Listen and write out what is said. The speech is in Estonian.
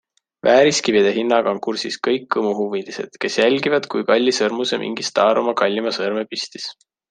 Vääriskivide hinnaga on kursis kõik kõmuhuvilised, kes jälgivad, kui kalli sõrmuse mingi staar oma kallima sõrme pistis.